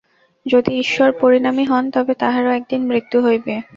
যদি ঈশ্বর পরিণামী হন, তবে তাঁহারও একদিন মৃত্যু হইবে।